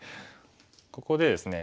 ここでですね